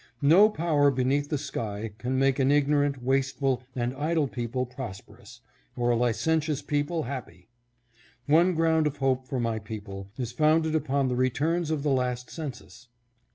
No power beneath the sky can make an ignorant, wasteful, and idle people prosperous, or a licentious people happy. One ground of hope for my people is founded upon the returns of the last census.